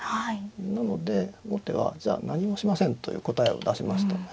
なので後手はじゃあ何もしませんという答えを出しましたね。